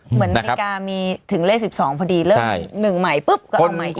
นาฬิกามีถึงเลข๑๒พอดีเริ่ม๑ใหม่ปุ๊บก็เอาใหม่